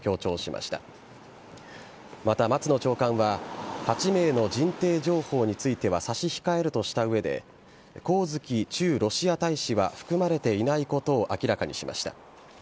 また、松野長官は８名の人定情報については差し控えるとした上で上月駐ロシア大使は含まれていないことを明らかにしました。